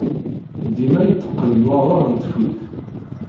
Dima yetteqqen nwaḍer n tfuyt.